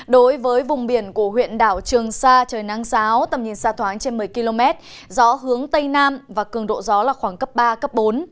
đối với vùng biển của huyện đảo trường sa trời nắng giáo tầm nhìn xa thoáng trên một mươi km gió hướng tây nam và cường độ gió là khoảng cấp ba cấp bốn